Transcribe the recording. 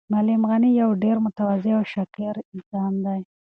معلم غني یو ډېر متواضع او شاکر انسان دی.